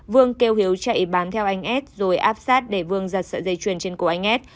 vương kêu hiếu chạy bám theo anh ad rồi áp sát để vương giật sợi dây chuyền trên cổ anh ad